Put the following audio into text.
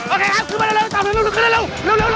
โอเคครับขึ้นมาต่อ